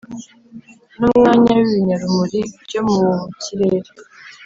n’umwanya w’ibinyarumuri byo mu kirere,